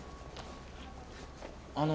あの。